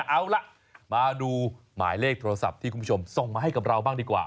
เอาล่ะมาดูหมายเลขโทรศัพท์ที่คุณผู้ชมส่งมาให้กับเราบ้างดีกว่า